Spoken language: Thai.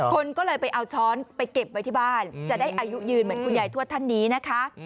คนก็เลยไปเอาช้อนไปเก็บไว้ที่บ้านจะได้อายุยืนเหมือนคุณยายทวดท่านนี้นะคะ